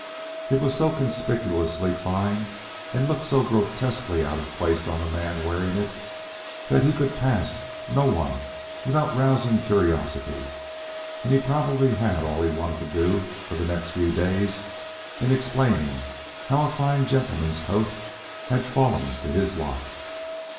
It was so conspicuously fine, and looked so grotesquely out of place on the man wearing it, that he could pass no one without rousing curiosity, and he probably had all he wanted to do for the next few days in explaining how a fine gentleman's coat had fallen to his lot.